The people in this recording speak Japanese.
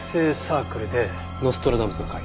ノストラダムスの会。